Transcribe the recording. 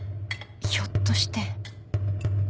ひょっとして